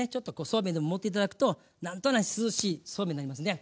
そうめんでも盛って頂くと何となし涼しいそうめんになりますね。